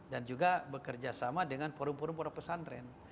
dan juga bekerja sama dengan forum forum para pesantren